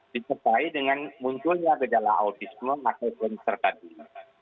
dicepai dengan munculnya gejala autisme atau pencernaan